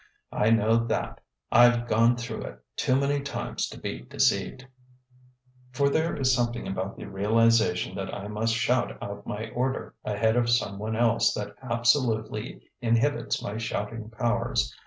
I know that. I've gone through it too many times to be deceived. For there is something about the realization that I must shout out my order ahead of some one else that absolutely inhibits my shouting powers.